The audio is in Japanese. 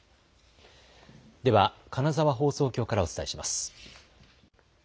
では金沢放送局からお伝えします。